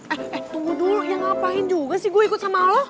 eh eh tunggu dulu ya ngapain juga sih gue ikut sama allah